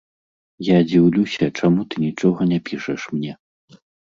Я дзіўлюся, чаму ты нічога не пішаш мне.